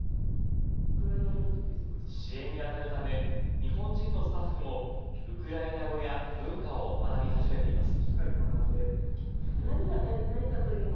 支援にあたるため日本人のスタッフもウクライナ語や文化を学び始めています。